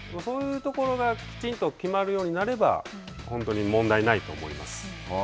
そういうところがきちんと決まるようになれば、本当に問題ないと思います。